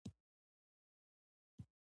سره زر د راکړې ورکړې د وسیلې په توګه کارول کېږي